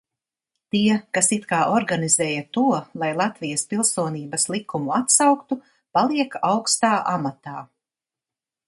Tie, kas it kā organizēja to, lai Latvijas Pilsonības likumu atsauktu, paliek augstā amatā.